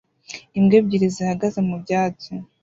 Imbwa ebyiri zihagaze mu byatsi